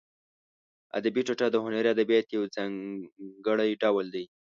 ادبي ټوټه د هنري ادبیاتو یو ځانګړی ډول دی.